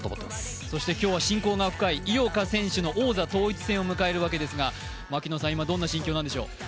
そして今日は親交が深い井岡一翔選手の王座統一戦を迎えるわけですが、今、どんな心境なんでしょう？